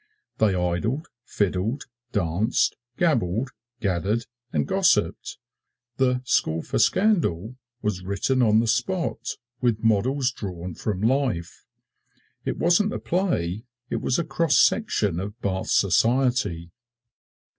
They idled, fiddled, danced, gabbled, gadded and gossiped. The "School for Scandal" was written on the spot, with models drawn from life. It wasn't a play it was a cross section of Bath Society.